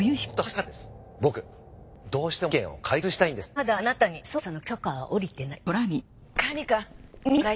まだあなたに捜査の許可はおりてない。